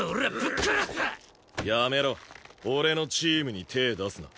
俺のチームに手ぇ出すな。